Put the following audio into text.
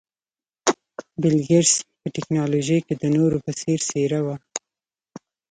بل ګېټس په ټکنالوژۍ کې د نورو په څېر څېره وه.